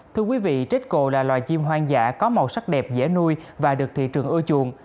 thưa quý vị trách cổ là loài chim hoang dã có màu sắc đẹp dễ nuôi và được thị trường ưa chuộng